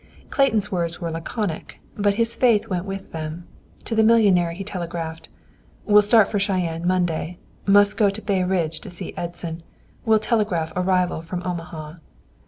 Clayton's words were laconic, but his faith went with them. To the millionaire he telegraphed: "Will start for Cheyenne Monday. Must go to Bay Ridge to see Edson. Will telegraph arrival from Omaha."